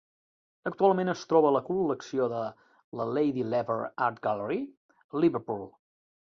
Actualment es troba a la col·lecció de la Lady Lever Art Gallery, a Liverpool.